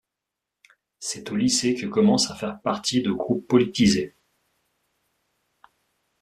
C'est au lycée que commence à faire partie de groupes politisés.